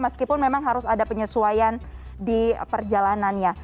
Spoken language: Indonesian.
meskipun memang harus ada penyesuaian di perjalanannya